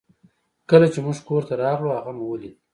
کله چې موږ کور ته راغلو هغه مو ولید